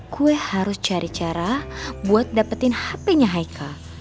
gue harus cari cara buat dapetin hpnya haikal